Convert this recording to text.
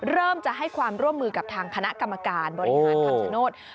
เริ่มจะให้ความร่วมมือกับทางคณะกรรมการบริหารคำชโนธ